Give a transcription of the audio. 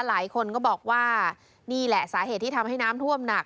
หลายคนก็บอกว่านี่แหละสาเหตุที่ทำให้น้ำท่วมหนัก